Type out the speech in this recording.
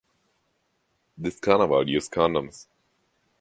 This Carnaval, use condoms.